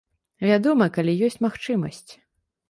Вядома, калі ёсць магчымасць.